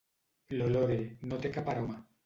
L'olore, no té cap aroma.